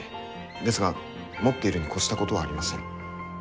ですが持っているに越したことはありません。